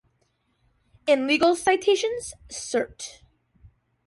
In legal citations, cert.